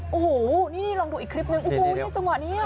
โอ้โหนี่ลองดูอีกคลิปนึง